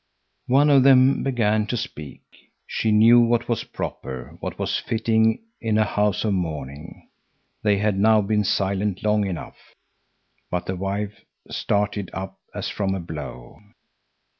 One of them began to speak. She knew what was proper, what was fitting in a house of mourning. They had now been silent long enough. But the wife started up as from a blow.